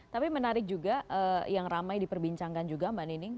tapi menarik juga yang ramai diperbincangkan juga mbak nining